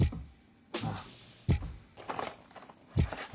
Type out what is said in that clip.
ああ。